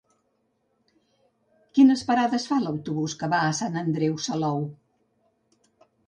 Quines parades fa l'autobús que va a Sant Andreu Salou?